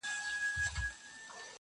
ډېر ماهر وو په کتار کي د سیالانو -